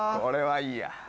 これはいいや。